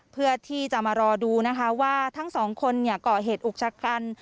เพื่อที่จะมารอดูนะคะว่าทั้งสองคนก่อเหตุอุกชะกัน